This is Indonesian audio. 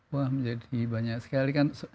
wah menjadi banyak sekali kan